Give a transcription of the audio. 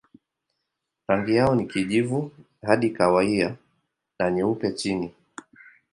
Rangi yao ni kijivu hadi kahawia na nyeupe chini.